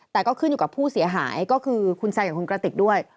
แต่ก็ขึ้นอยู่กับผู้เสียหายก็คือคุณแซนกับคุณกระติกด้วย